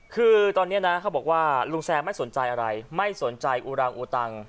คือตอนนี้นะเขาบอกว่าลุงแซมไม่สนใจอะไรไม่สนใจอุรังอุตัง